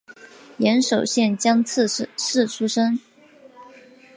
岩手县江刺市出身。